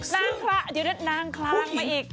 นางคละเดี๋ยวได้นางคลางมาอีก